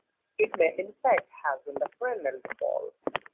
It may in fact have been a funeral pall.